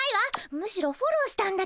むしろフォローしたんだけど。